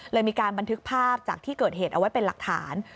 มีการบันทึกภาพจากที่เกิดเหตุเอาไว้เป็นหลักฐาน